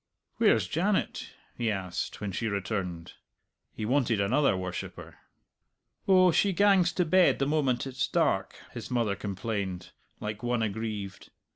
"Where's Janet?" he asked when she returned. He wanted another worshipper. "Oh, she gangs to bed the moment it's dark," his mother complained, like one aggrieved.